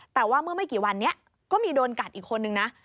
แต่ว่าเมื่อไม่กี่วันนี้ก็มีโดนกัดอีกคนนึงนะ